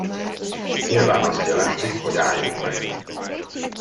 Nyilván azt jelenti, hogy álljunk meg.